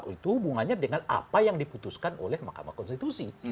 itu hubungannya dengan apa yang diputuskan oleh mahkamah konstitusi